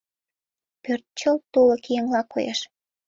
Пӧрт чылт тулык еҥла коеш.